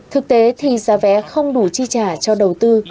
thực tế thì giá vé không đủ chi trả cho đầu tư